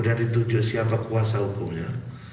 sudah ditunjukkan kekuasaan hukumnya